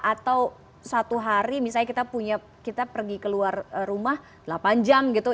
atau satu hari misalnya kita punya kita pergi keluar rumah delapan jam gitu